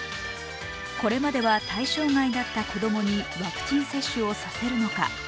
これまでは対象外だった子供たちにワクチン接種をさせるのか。